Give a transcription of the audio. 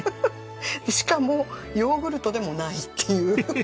しかもヨーグルトでもないっていう。